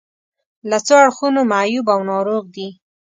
له څو اړخونو معیوب او ناروغ دي.